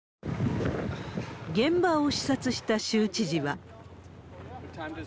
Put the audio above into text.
現場を視察した州知事は。